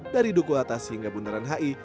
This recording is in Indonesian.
dari duku atas hingga bundaran hi